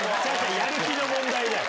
やる気の問題だよ！